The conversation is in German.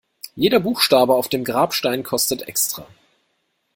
Jeder Buchstabe auf dem Grabstein kostet extra.